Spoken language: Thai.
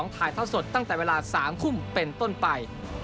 ถ่ายเท่าสดตั้งแต่เวลา๓ทุ่มเป็นต้นไป